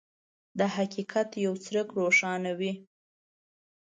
د حقیقت یو څرک روښانوي.